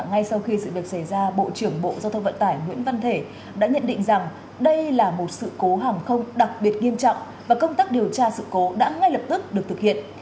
ngay sau khi sự việc xảy ra bộ trưởng bộ giao thông vận tải nguyễn văn thể đã nhận định rằng đây là một sự cố hàng không đặc biệt nghiêm trọng và công tác điều tra sự cố đã ngay lập tức được thực hiện